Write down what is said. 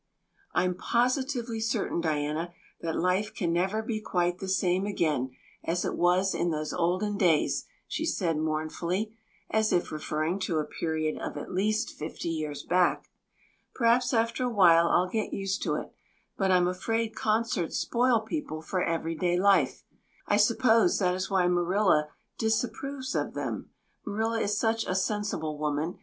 "I'm positively certain, Diana, that life can never be quite the same again as it was in those olden days," she said mournfully, as if referring to a period of at least fifty years back. "Perhaps after a while I'll get used to it, but I'm afraid concerts spoil people for everyday life. I suppose that is why Marilla disapproves of them. Marilla is such a sensible woman.